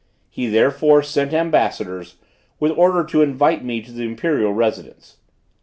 He therefore sent ambassadors, with orders to invite me to the imperial residence.